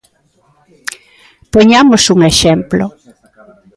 Poñamos un exemplo.